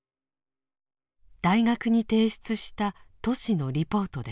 大学に提出したトシのリポートです。